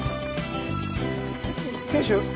賢秀